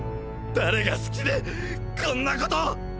誰が好きでこんなこと！！